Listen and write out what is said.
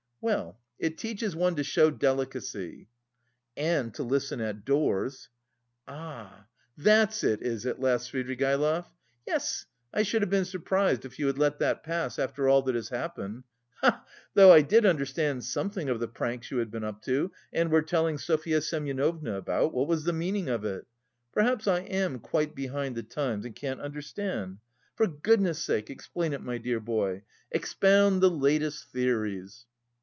Well, it teaches one to show delicacy!" "And to listen at doors!" "Ah, that's it, is it?" laughed Svidrigaïlov. "Yes, I should have been surprised if you had let that pass after all that has happened. Ha ha! Though I did understand something of the pranks you had been up to and were telling Sofya Semyonovna about, what was the meaning of it? Perhaps I am quite behind the times and can't understand. For goodness' sake, explain it, my dear boy. Expound the latest theories!"